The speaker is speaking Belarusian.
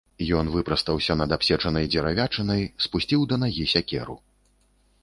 Ён выпрастаўся над абчэсанай дзеравячынай, спусціў да нагі сякеру.